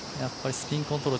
スピンコントロール